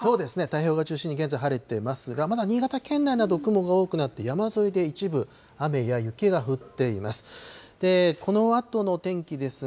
太平洋側を中心に、現在、晴れていますが、まだ新潟県内など、雲が多くなって、山沿いで一部、雨や雪が降っています。